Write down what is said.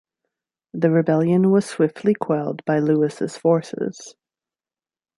The rebellion was swiftly quelled by Louis' forces.